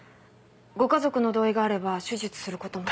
ご家族の同意があれば手術することもできる。